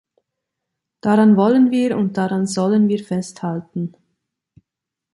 Daran wollen wir und daran sollen wir festhalten.